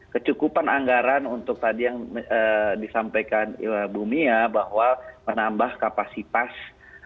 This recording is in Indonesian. kecukupan anggaran untuk tadi yang disampaikan bu mia bahwa menambah kapasitas